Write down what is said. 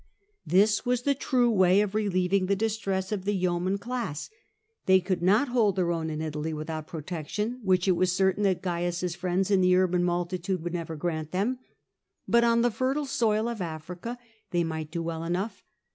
This was the true way of relieving the distress of the THE COLONIAL SCHEMES OF CAIUS 6i yeoman class : they could not hold their own in Italy without Protection, which it was certain that Caius's friends in the urban multitude would never grant them. But on the fertile soil of Africa they might do well enough.